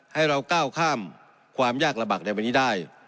ให้เราก้าวข้ามความยากระบักในวันนี้ได้